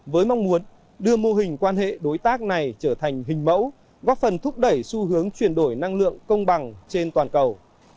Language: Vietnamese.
với mong muốn đưa mô hình quan hệ đối tác này trở thành hình mẫu góp phần thúc đẩy xu hướng chuyển đổi năng lượng công bằng trên toàn cầu